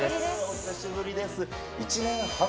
お久しぶりです。